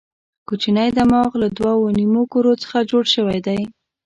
کوچنی دماغ له دوو نیمو کرو څخه جوړ شوی دی.